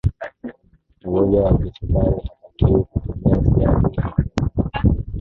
mgonjwa wa kisukali hatakiwi kutumia siagi ya wanyama